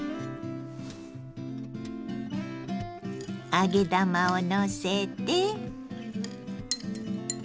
揚げ玉をのせて。